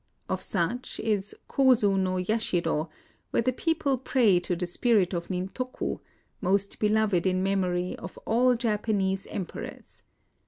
Of such is Kozu no yashiro, where the people pray to the spirit of Nintoku, — most beloved in memory of all Japanese emperors.